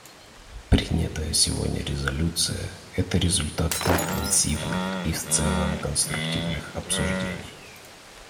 Принятая сегодня резолюция — это результат интенсивных и в целом конструктивных обсуждений.